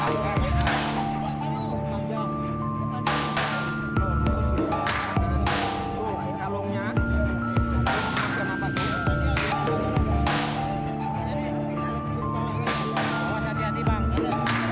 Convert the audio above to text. itu satu tribes petunia menggabungkan